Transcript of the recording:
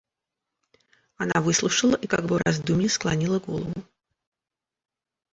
Она выслушала и как бы в раздумье склонила голову.